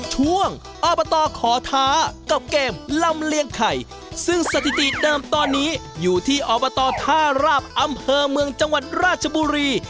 ช่วงอบตขอท้ากับเกมลำเลียงไข่ซึ่งสถิติเดิมตอนนี้อยู่ที่อบตท่าราบอำเภอเมืองจังหวัดราชบุรี